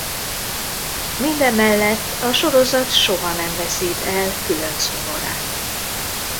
Mindemellett a sorozat soha nem veszít el különc humorát.